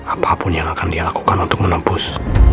apapun yang akan dia lakukan untuk menembus